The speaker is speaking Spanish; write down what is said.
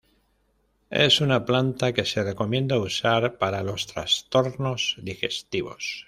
Es una planta que se recomienda usar para los trastornos digestivos.